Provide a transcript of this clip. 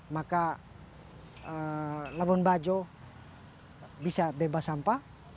maka labuan bajo bisa bebas sampah